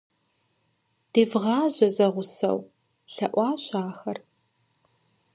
- Девгъаджэ зэгъусэу, – лъэӀуащ ахэр.